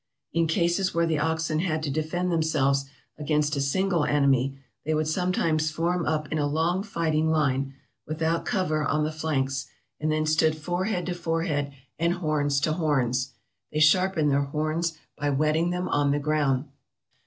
In cases where the oxen had to defend themselves against a single enemy they would sometimes form up in a long fighting line, without cover on the flanks, and then stood forehead to forehead, and horns to horns. They sharpen their horns by whetting them on the ground.